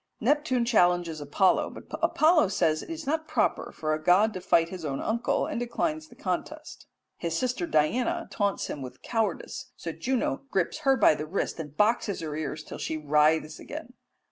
Neptune challenges Apollo, but Apollo says it is not proper for a god to fight his own uncle, and declines the contest. His sister Diana taunts him with cowardice, so Juno grips her by the wrist and boxes her ears till she writhes again.